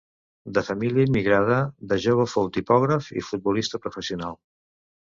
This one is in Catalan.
De família immigrada, de jove fou tipògraf i futbolista professional.